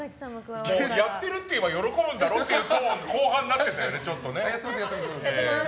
やってるって言えば喜ぶんだろうっていうトーンに後半なってましたよね。